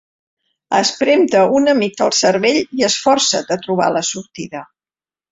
Esprem-te una mica el cervell i esforça't a trobar la sortida.